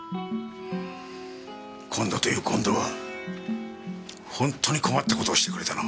今度という今度は本当に困った事をしてくれたな！